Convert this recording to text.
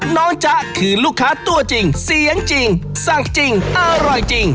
จ๊ะคือลูกค้าตัวจริงเสียงจริงสั่งจริงอร่อยจริง